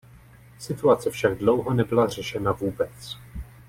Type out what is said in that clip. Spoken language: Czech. Situace však dlouho nebyla řešena vůbec.